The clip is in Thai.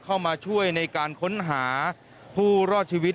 เข้ามาช่วยในการค้นหาผู้รอดชีวิต